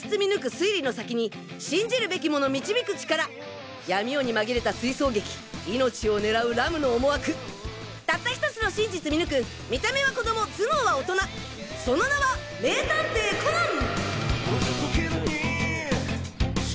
推理の先に信じるべきもの導く力闇夜にまぎれた追走劇命を狙うＲＵＭの思惑たった１つの真実見抜く見た目は子供頭脳は大人その名は名探偵コナン！